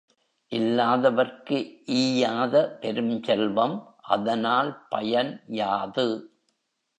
இல்லாதவர்க்கு ஈயாத பெருஞ்செல்வம் அதனால் பயன் யாது?